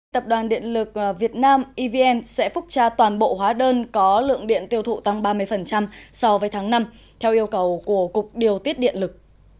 tập đoàn điện lực việt nam evn sẽ phúc tra toàn bộ hóa đơn có lượng điện tiêu thụ tăng ba mươi so với tháng năm theo yêu cầu của cục điều tiết điện lực